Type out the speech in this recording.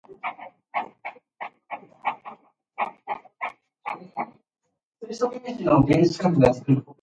Anagrams used for titles afford scope for some types of wit.